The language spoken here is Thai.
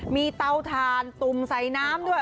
มีเตาถ่านตุ่มใส่น้ำด้วย